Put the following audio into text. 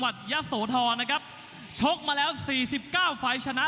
วันนี้ดังนั้นก็จะเป็นรายการมวยไทยสามยกที่มีความสนุกความมันความเดือดนะครับ